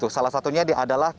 salah satunya adalah